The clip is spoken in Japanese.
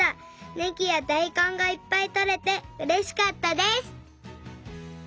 ねぎやだいこんがいっぱいとれてうれしかったです。